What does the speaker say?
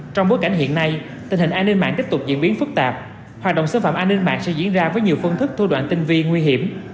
trong bối cảnh hiện nay tình hình an ninh mạng tiếp tục diễn biến phức tạp hoạt động xâm phạm an ninh mạng sẽ diễn ra với nhiều phương thức thua đoạn tinh vi nguy hiểm